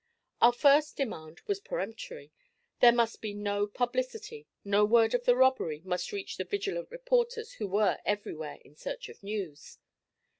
Our first demand was peremptory. There must be no publicity; no word of the robbery must reach the vigilant reporters who were everywhere in search of news.